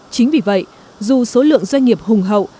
chính vì vậy dù số lượng doanh nghiệp hùng hậu